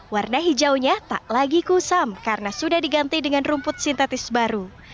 warna hijaunya tak lagi kusam karena sudah diganti dengan rumput sintetis baru